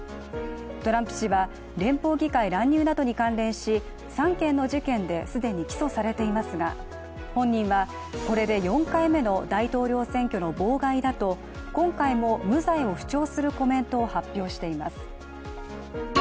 トランプ氏は連邦議会乱入などに関連し３件の事件で既に起訴されていますが本人はこれで４回目の大統領選挙の妨害だと今回も無罪を主張するコメントを発表しています。